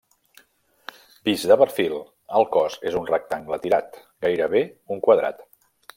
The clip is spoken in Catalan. Vist de perfil el cos és un rectangle tirat, gairebé un quadrat.